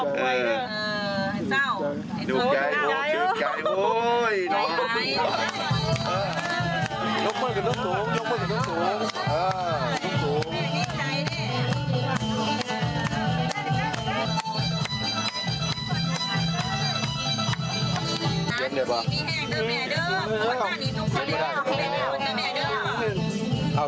ท่านผู้ชมครับ